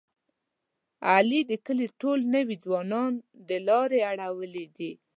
علي د کلي ټول نوی ځوانان د لارې اړولي دي.